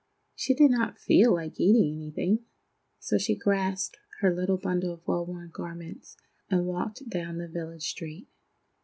She did not feel like eating anything, so she grasped her little bundle of well worn garments, and walked down the village street.